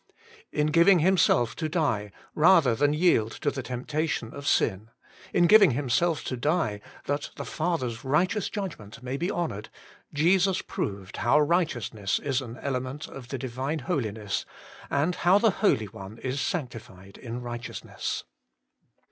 In giving Himself to die, rather than yield to the temptation of sin ; in giving Himself to die, that the Father's righteous judgment may be honoured ; Jesus proved how Kighteousness is an element of the Divine Holiness, and how the Holy One is sanctified in Righteousness.